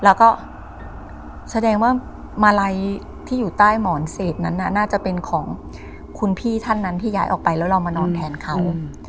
แล้วก็แสดงว่ามาลัยที่อยู่ใต้หมอนเศษนั้นน่าจะเป็นของคุณพี่ท่านนั้นที่ย้ายออกไปแล้วเรามานอนแทนเขา